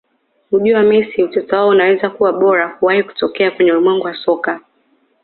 Ujio wa Messi Utata wao unaweza kuwa bora kuwahi kutokea kwenye ulimwengu wa soka